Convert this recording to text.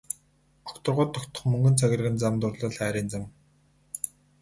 Огторгуйд тогтох мөнгөн цагирган зам дурлал хайрын зам.